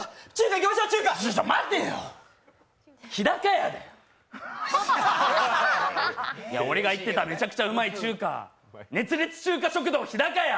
ちょっと待てよ、日高屋だよ俺が言ってためちゃくちゃうまい中華熱烈中華食堂日高屋。